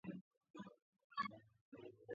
ზოგან მოშენებულია როგორც დეკორატიული მცენარე.